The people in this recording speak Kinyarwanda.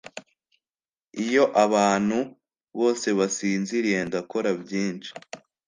Iyo abantu bose basinziriye, ndakora byinshi.